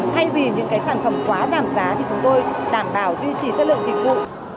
thay vì những cái sản phẩm quá giảm giá thì chúng tôi đảm bảo duy trì chất lượng dịch vụ